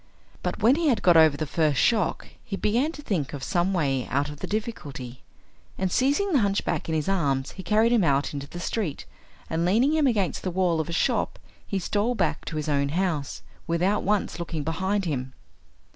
But when he had got over the first shock he began to think of some way out of the difficulty, and seizing the hunchback in his arms he carried him out into the street, and leaning him against the wall of a shop he stole back to his own house, without once looking behind him.